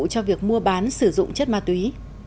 cho việc mua bán sử dụng chất ma túy